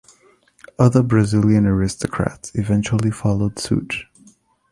Other Brazilian aristocrats eventually followed suit.